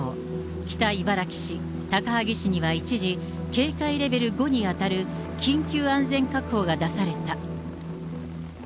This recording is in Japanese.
北茨城市、高萩市には一時、警戒レベル５に当たる緊急安全確保が出された。